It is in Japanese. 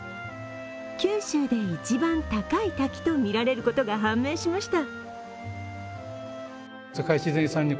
九州で一番高い滝とみられることが判明しました。